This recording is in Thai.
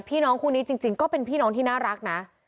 พี่น้องคู่นี้จริงก็เป็นพี่น้องที่น่ารักนะ